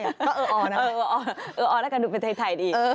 ก็เออออนะเออออเออออแล้วกันดูเป็นไทยไทยดีเออ